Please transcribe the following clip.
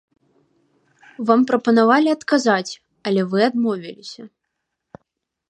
Вам прапанавалі адказаць, але вы адмовіліся.